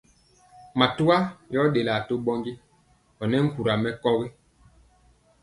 Matwa yɔ ɗelaa to ɓɔndi ɔnɛ nkura mɛkɔgi.